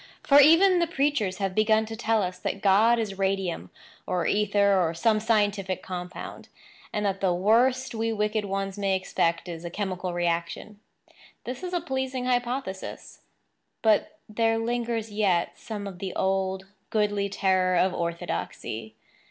For, even the preachers have begun to tell us that God is radium, or ether or some scientific compound, and that the worst we wicked ones may expect is a chemical reaction. This is a pleasing hypothesis; but there lingers yet some of the old, goodly terror of orthodoxy.